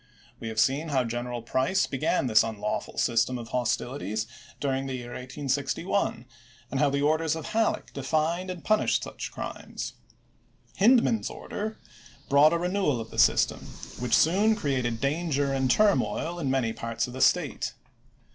We have seen how General Price began this unlawful system of hostilities during the year 1861, and how the orders of Halleck defined and punished such crimes. Hindman's order brought a renewal of the system, which soon created danger and turmoil in many parts of the State.